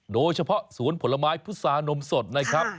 โดยเฉพาะสวนผลไม้พุษานมสดนะครับ